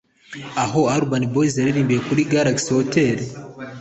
Aho Urban Boyz yaririmbiye kuri Galaxy Hotel